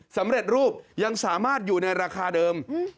สำเร็จรูปยังสามารถอยู่ในราคาเดิม